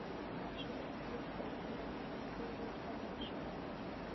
ماشومان پوه شول او راتلونکی یې روښانه شو.